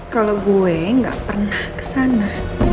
kalau gue gak pernah kesana